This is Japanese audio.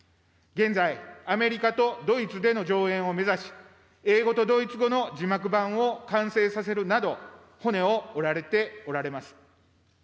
現在、アメリカとドイツでの上演を目指し、英語とドイツ語の字幕版を完成させるなど、骨を折られておられます。